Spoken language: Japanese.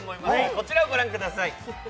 こちらをご覧ください。